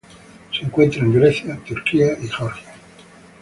Se encuentra en Grecia, Turquía y Georgia.